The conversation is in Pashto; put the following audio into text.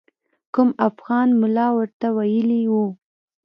کوم افغان ملا ورته ویلي وو.